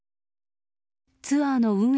ツアーの運営